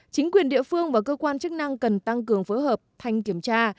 chính quyền địa phương và cơ quan chức năng cần tăng cường phối hợp thanh kiểm tra